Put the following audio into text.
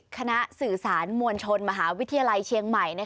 คณะสื่อสารมวลชนมหาวิทยาลัยเชียงใหม่